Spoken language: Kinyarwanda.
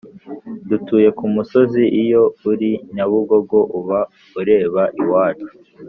Dutuye kumusozi iyo uri nyabugogo uba ureba iwacu